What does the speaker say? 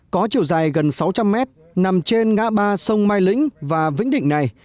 có chiều dài gần sáu trăm linh mét nằm trên ngã ba sông mai lĩnh và vĩnh định này